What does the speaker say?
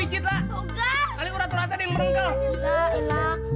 kalian urat uratnya dia yang merengkel